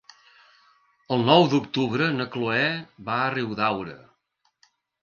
El nou d'octubre na Cloè va a Riudaura.